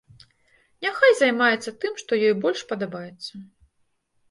Няхай займаецца тым, што ёй больш падабаецца.